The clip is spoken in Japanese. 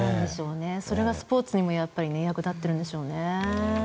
それがスポーツにも役立ってるんでしょうね。